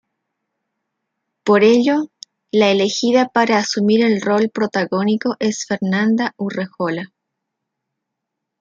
Por ello, la elegida para asumir el rol protagónico es Fernanda Urrejola.